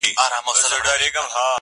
ستا په څېر مي هغه هم بلا د ځان دئ-